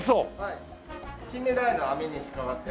キンメダイの網に引っかかって。